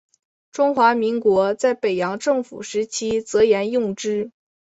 中华民国在北洋政府时期则沿用之。